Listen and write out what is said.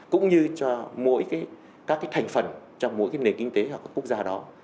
cũng như cho mỗi các cái thành phần trong mỗi nền kinh tế hoặc các quốc gia đó